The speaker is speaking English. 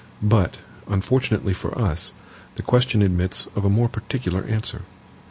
But, unfortunately for us, the question admits of a more particular answer.